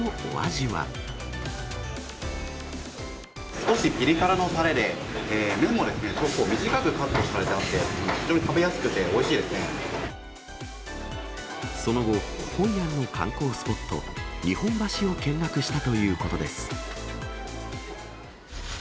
少しピリ辛のたれで、麺も短くカットされていて、非常に食べやすくておいしいですその後、ホイアンの観光スポット、日本橋を見学したということです。